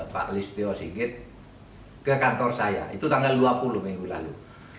pak listio sigit ke kantor saya itu tanggal dua puluh minggu lalu